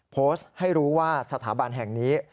โพสต์ให้รู้ว่าสถาบันแห่งนี้